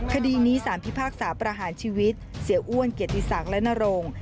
คดีนี้สารพิพากษาประหารชีวิตเสียอ้วนเกียรติศักดิ์และนรง